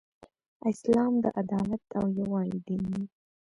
اسلام د عدالت او یووالی دین دی .